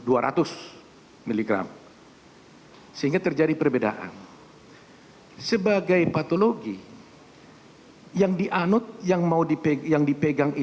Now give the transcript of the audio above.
ya kemudian dikatakan masuk dua ratus tujuh puluh delapan yang menjadi tanda tanya tentunya umpamanya dua ratus